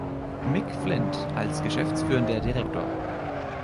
„Mick“ Flint als geschäftsführender Direktor.